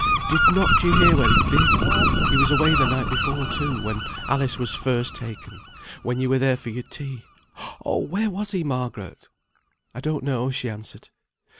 Did not you hear where he'd been? He was away the night before, too, when Alice was first taken; when you were there for your tea. Oh! where was he, Margaret?" "I don't know," she answered.